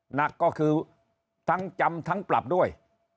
หนักก็คือทั้งจำทั้งปรับด้วย